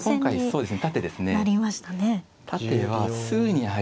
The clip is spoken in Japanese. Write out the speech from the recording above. そうですね。